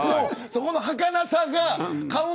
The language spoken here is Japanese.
そこの、はかなさが。